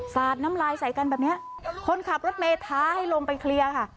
สาดน้ำลายใส่กันแบบเนี้ยคนขับรถเมย์ท้าให้ลงไปเคลียร์ค่ะ